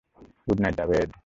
Good night, Javed.